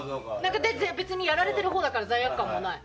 別にやられてるほうだから罪悪感もない。